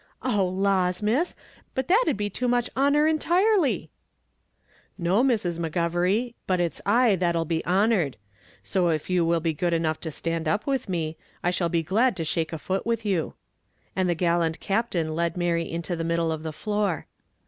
"Oh! laws, Miss, but that'd be too much honour intirely." "No, Mrs. McGovery, but it's I that'll be honoured; so if you will be good enough to stand up with me, I shall be glad to shake a foot with you:" and the gallant Captain led Mary into the middle of the floor.